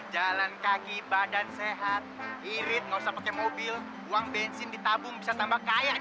jalan kaki badan sehat irit nggak usah pakai mobil uang bensin ditabung bisa tambah kayak